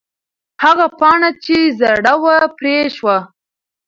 هغه پاڼه چې زړه وه، پرې شوه.